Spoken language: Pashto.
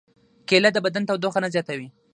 کېله د بدن تودوخه نه زیاتوي.